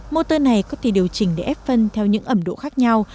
mô tơ này có thể điều chỉnh để ép phân theo những ẩm độ khác nhau